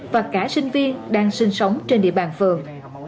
và cả sinh viên đang sinh sống trên địa bàn phường